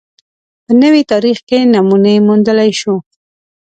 په نوي تاریخ کې نمونې موندلای شو